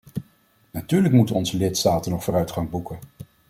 Natuurlijk moeten onze lidstaten nog vooruitgang boeken.